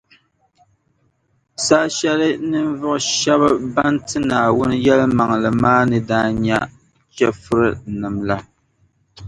Saha shεli ninvuɣu shεba ban ti Naawuni yεlimaŋli maa ni daa nya chɛfurinim’ la